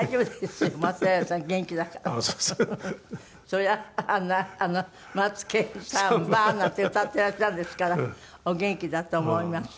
そりゃあんな「マツケンサンバ」なんて歌っていらっしゃるんですからお元気だと思います。